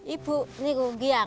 ibu ini bukan